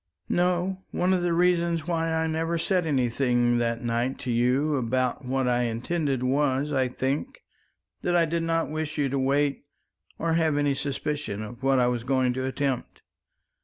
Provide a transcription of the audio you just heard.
"No, one of the reasons why I never said anything that night to you about what I intended was, I think, that I did not wish you to wait or have any suspicion of what I was going to attempt."